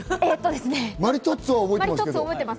マリトッツォは覚えてます。